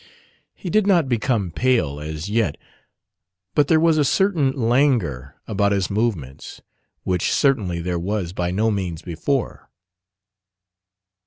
He did not become pale as yet; but there was a certain languor about his movements which certainly there was by no means before.